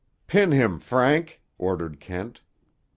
"Pin him, Frank," ordered Kent.